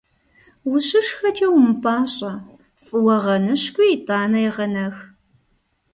УщышхэкӀэ умыпӀащӀэ, фӀыуэ гъэныщкӀуи, итӀанэ егъэнэх.